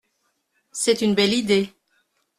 C’est une belle idée.